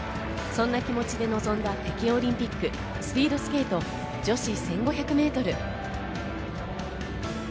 そんな気持ちで臨んだ北京オリンピック、スピードスケート女子１５００メートル。